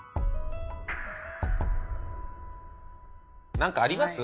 何かあります？